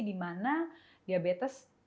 di mana diabetes